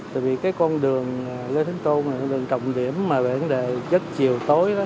tại vì cái con đường lê thánh tôn này là con đường trọng điểm mà về vấn đề giấc chiều tối đó